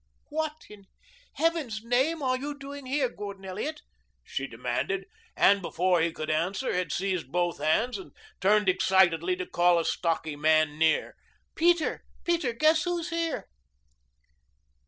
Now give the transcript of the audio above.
What in Heaven's name are you doing here, Gordon Elliot?" she demanded, and before he could answer had seized both hands and turned excitedly to call a stocky man near. "Peter Peter! Guess who's here?"